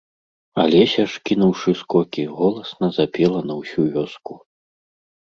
Алеся ж, кінуўшы скокі, голасна запела на ўсю вёску.